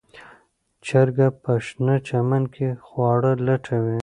چرګه په شنه چمن کې خواړه لټوي.